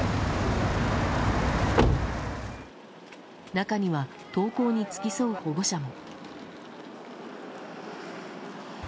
中には登校に付き添う保護者も。